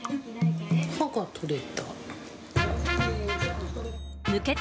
歯が取れた。